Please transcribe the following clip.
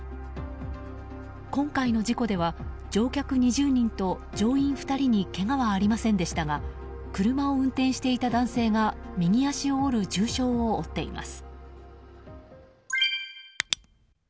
今回の事故では乗客２０人と乗員２人にけがはありませんでしたが車を運転していた男性が右足を折る重傷を負っています。